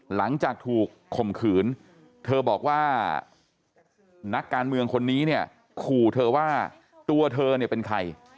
หลังจากถูกข่มขืนเธอบอกว่านักการเมืองคนนี้เนี่ยขู่เธอว่าตัวเธอเนี่ยเป็นใคร